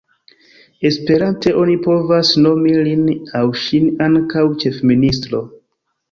Esperante oni povas nomi lin au ŝin ankaŭ ĉefministro.